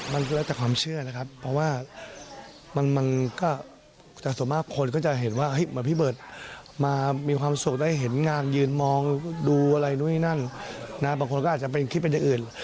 มันก็แล้วแต่ความเชื่อนะครับเพราะว่ามันก็แต่ส่วนมากคนก็จะเห็นว่าเหมือนพี่เบิร์ตมามีความสุขได้เห็นงานยืนมองดูอะไรนู่นนี่นั่นนะบางคนก็อาจจะเป็นคลิปเป็นอย่างอื่น